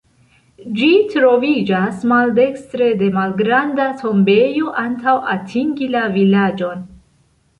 Ĝi troviĝas maldekstre de malgranda tombejo antaŭ atingi la vilaĝon.